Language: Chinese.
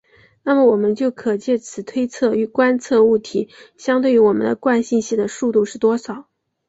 那么我们就可藉此推测欲观测物体相对于我们的惯性系的速度是多少。